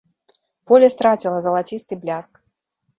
Поле страціла залацісты бляск.